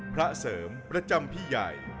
พระเสริมพระจำพิไยย